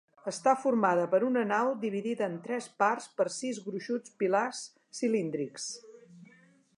Està formada per una nau dividida en tres parts per sis gruixuts pilars cilíndrics.